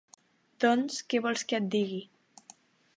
Doncs què vols que et digui.